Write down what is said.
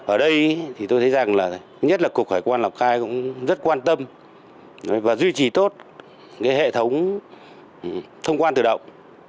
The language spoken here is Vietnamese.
ở đây tôi thấy rằng nhất là cục hải quan lào cai cũng rất quan tâm và duy trì tốt hệ thống thông quan thử động hai trăm bốn mươi bảy